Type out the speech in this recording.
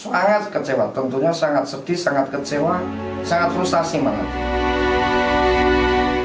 sangat kecewa tentunya sangat sedih sangat kecewa sangat frustasi banget